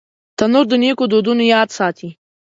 تنور د نیکو دودونو یاد ساتي